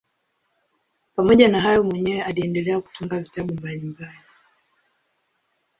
Pamoja na hayo mwenyewe aliendelea kutunga vitabu mbalimbali.